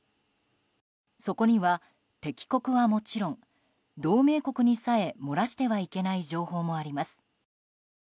そこには敵国はもちろん同盟国にさえ漏らしてはいけない情報もあります。